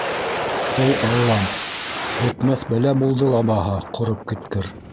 — Эй Аллам, бөтмәҫ бәлә булды ла баһа, ҡороп киткер.